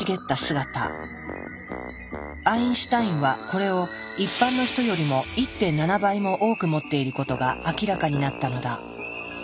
アインシュタインはこれを一般の人よりも１．７倍も多く持っていることが明らかになったのだ。